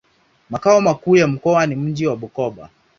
Makao makuu ya mkoa ni mji wa Bukoba.